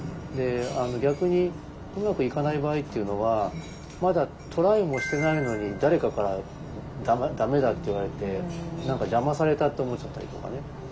逆にうまくいかない場合っていうのはまだトライもしてないのに誰かから駄目だって言われて何か邪魔されたと思っちゃったりとかね。